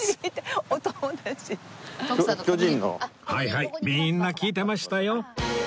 はいはいみんな聞いてましたよ